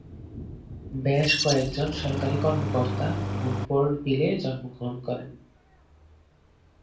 বেশ কয়েকজন সরকারি কর্মকর্তা মুনফোর্ডভিলে জন্মগ্রহণ করেন।